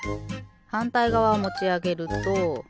はんたいがわをもちあげると。